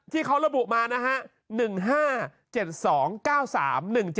ที่เขาระบุมานะฮะ